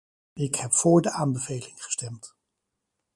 Ik heb voor de aanbeveling gestemd.